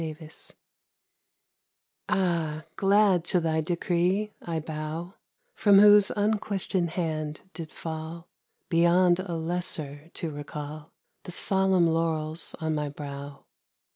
Ah I glad to thy decree I bow, From whose unquestioned hand did fall > Beyond a lesser to recall. The solemn laurels on my brow.